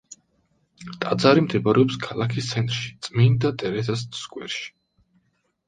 ტაძარი მდებარეობს ქალაქის ცენტრში, წმინდა ტერეზას სკვერში.